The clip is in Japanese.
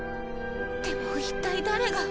でも一体誰が。